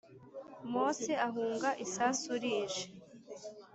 mose ahunga isasu rije